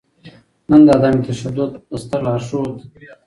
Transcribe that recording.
نــن د عـدم تـشدود د ســتــر لارښــود